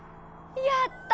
やった！